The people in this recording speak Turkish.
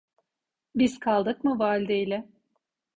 Biz kaldık mı valde ile…